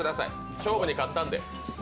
勝負に勝ったんで。